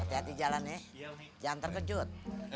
hati hati jalan nih jangan terkejut